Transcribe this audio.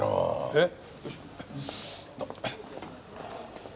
えっ？